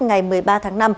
ngày một mươi ba tháng năm